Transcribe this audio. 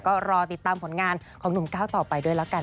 ก็รอติดตามผลงานของหนุ่มก้าวต่อไปด้วยแล้วกัน